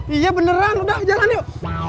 iya beneran udah jalan yuk